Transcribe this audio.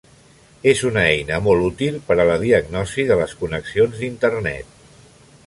És una eina molt útil per a la diagnosi de les connexions d'Internet.